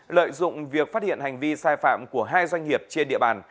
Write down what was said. lợi dụng việc phát hiện hành vi sai phạm của hai doanh nghiệp trên địa bàn